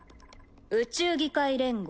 宇宙議会連合。